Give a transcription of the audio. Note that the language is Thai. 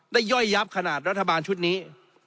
ย่อยยับขนาดรัฐบาลชุดนี้